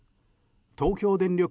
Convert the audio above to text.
東京電力